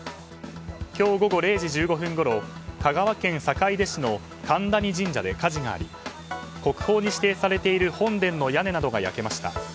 今日午後０時１５分ごろ香川県坂出市の神谷神社で火事があり国宝に指定されている本殿の屋根などが焼けました。